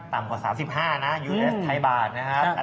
ต่ำกว่า๓๕นะอยู่ในสไทบาทนะครับ